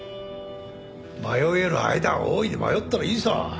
迷える間は大いに迷ったらいいさ。